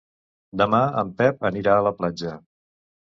Demà en Pep anirà a la platja.